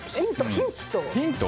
ヒント。